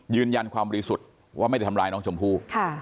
ยืนยันความดีสุดว่าไม่ทำร้ายน้องจมภู่